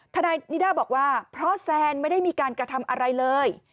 ทนายนิด้าบอกว่าเพราะแซนไม่ได้มีการกระทำอะไรเลย